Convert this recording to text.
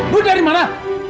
duit dari mana